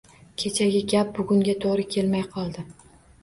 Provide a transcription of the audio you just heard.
Kechagi gap bugunga to‘g‘ri kelmay qoldi!